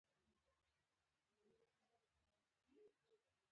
چې د وګړو پر ژوند یې ژور اغېز ښندي.